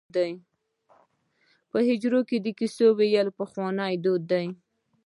په حجره کې د کیسو ویل پخوانی دود دی.